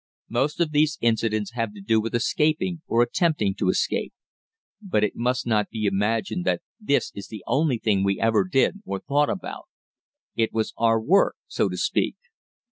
Most of these incidents have to do with escaping or attempting to escape. But it must not be imagined that this is the only thing we ever did or thought about. It was our work, so to speak.